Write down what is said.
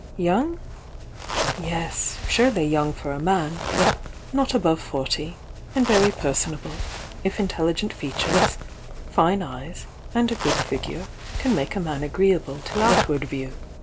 Young? — yes, surely young for a man — not above forty; and very personable, if intelligent fea tures, fine eyes and a good figure can make a man agreeable to outward view.